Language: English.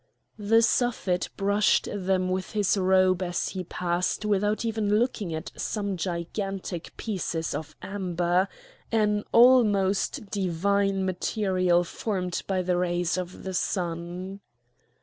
The Suffet brushed them with his robe as he passed without even looking at some gigantic pieces of amber, an almost divine material formed by the rays of the sun.